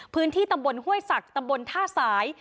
พื้นที่ตำบลห้วยศักดิ์ตำบลท่าสาย